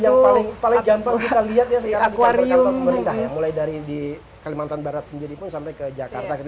yang paling gampang kita lihat ya sekarang di kantor kantor pemerintah ya mulai dari di kalimantan barat sendiri pun sampai ke jakarta gitu